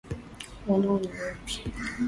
Wanao ni wepi.